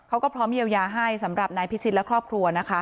เขาก็พร้อมเยียวยาให้สำหรับนายพิชิตและครอบครัวนะคะ